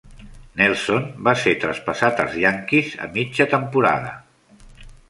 Nelson va ser traspassat als Yankees a mitja temporada.